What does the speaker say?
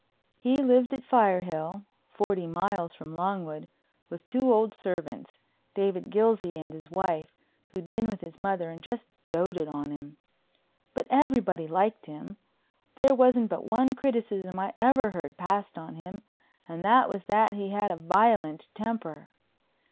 He lived at Firehill—forty miles from Longwood—with two old servants, David Gilsey and his wife, who'd been with his mother and just doted on him. But everybody liked him. There wasn't but one criticism I ever heard passed on him and that was that he had a violent temper.